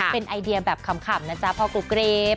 เป็นไอเดียแบบขำนะจ๊ะพ่อกุ๊กกรี๊บ